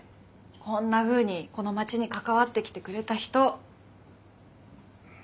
こんなふうにこの町に関わってきてくれた人。